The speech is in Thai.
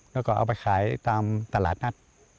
แล้วก็เอาไปขายตามตลาดนัด